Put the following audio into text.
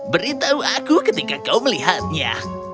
beritahu aku ketika kau melihatnya